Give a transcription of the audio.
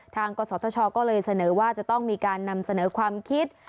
กศธชก็เลยเสนอว่าจะต้องมีการนำเสนอความคิด